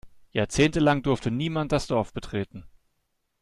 Jahrzehntelang durfte niemand das Dorf betreten.